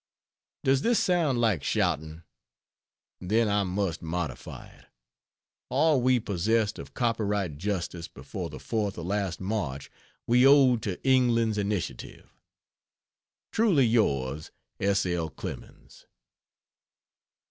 Does this sound like shouting? Then I must modify it: all we possessed of copyright justice before the fourth of last March we owed to England's initiative. Truly Yours, S. L. CLEMENS.